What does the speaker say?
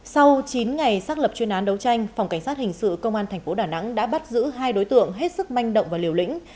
sau chín ngày xác lập chuyên án đấu tranh phòng cảnh sát hình sự công an thành phố đà nẵng đã bắt giữ hai đối tượng hết sức manh động và liều lĩnh